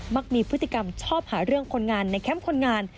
ักมีพฤติกรรมชอบหาเรื่องคนงานในแคมป์คนงาน